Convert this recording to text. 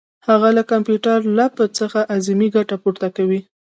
هغه له کمپیوټر لیب څخه اعظمي ګټه پورته کوي.